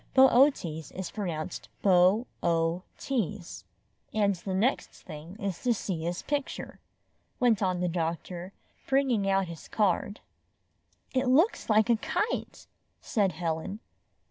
Bootes is pronounced Bo o tease. ''And the next thing is to see his picture," went on the doctor, bringing out his card. "It looks like a kite," said Helen.